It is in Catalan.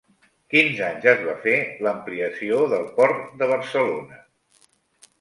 Quins anys es va fer l'ampliació del Port de Barcelona?